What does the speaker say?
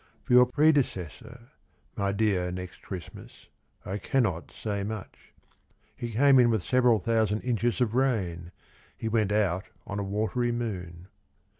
For your predecessor, My dear Next Christmas, I cannot say much. He came in with several thousand inches of rain; He went out on a watery moon.